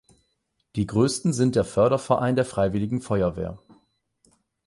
Die größten sind der Förderverein der Freiwilligen Feuerwehr.